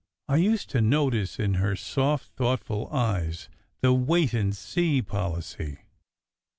I used to notice in her soft, thoughtful eyes the "wait and see" policy.